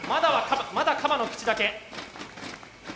まだカバの口だけ。